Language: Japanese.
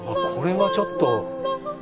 これはちょっと。